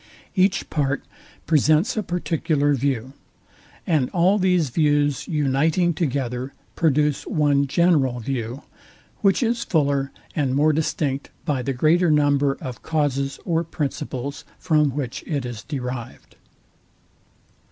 Each part presents a particular view; and all these views uniting together produce one general view, which is fuller and more distinct by the greater number of causes or principles, from which it is derived.